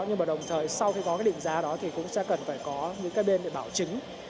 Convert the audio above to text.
nhưng mà đồng thời sau khi có cái định giá đó thì cũng sẽ cần phải có những cái bên để bảo chứng